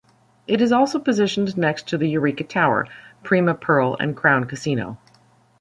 It is also positioned next to the Eureka Tower, Prima Pearl and Crown Casino.